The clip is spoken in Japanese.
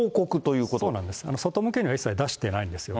外向けには一切出してないんですよ。